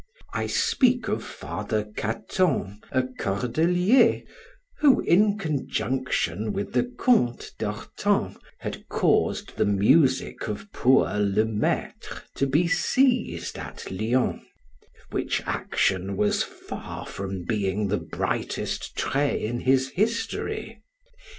I speak of Father Cato, a Cordelier, who, in conjunction with the Count d'Ortan, had caused the music of poor Le Maitre to be seized at Lyons; which action was far from being the brightest trait in his history.